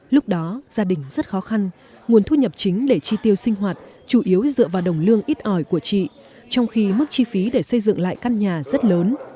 lúc đó gia đình rất khó khăn nguồn thu nhập chính để chi tiêu sinh hoạt chủ yếu dựa vào đồng lương ít ỏi của chị trong khi mức chi phí để xây dựng lại căn nhà rất lớn